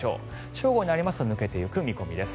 正午になりますと抜けていく見込みです。